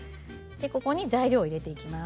ここに材料を入れていきます。